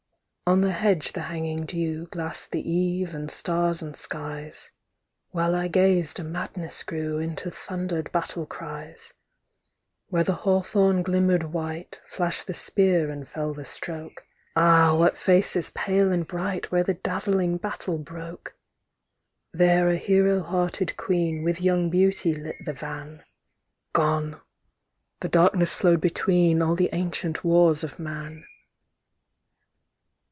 On the hedge the hanging dew Glassed the eve and stars and skies; While I gazed a madness grew Into thundered battle cries. Where the hawthorn glimmered white, Flashed the spear and fell the stroke Ah, what faces pale and bright Where the dazzling battle broke! There a hero hearted queen With young beauty lit the van. Gone! the darkness flowed between All the ancient wars of man.